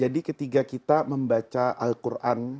jadi ketika kita membaca al quran